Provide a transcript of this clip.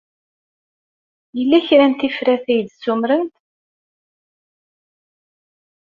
Yella kra n tifrat ay d-ssumrent?